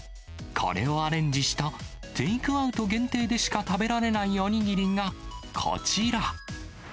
これをアレンジした、テイクアウト限定でしか食べられないお握りがこちら。